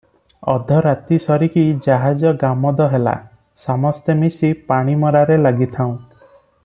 ଅଧରାତି ସରିକି ଜାହାଜ ଗାମଦ ହେଲା, ସମସ୍ତେ ମିଶି ପାଣିମରାରେ ଲାଗିଥାଉଁ ।